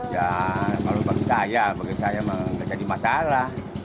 ya kalau bagi saya bagi saya memang nggak jadi masalah